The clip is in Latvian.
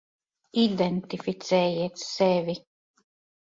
Identificējiet sevi.